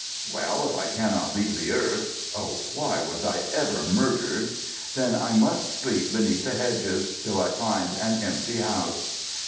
Well, if I cannot leave the earth—oh, why was I ever murdered?—then I must sleep beneath the hedges, till I find an empty house.